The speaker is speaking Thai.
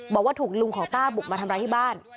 บอกว่าถูกลุงของต้าบุกมาทำร้ายที่บ้าน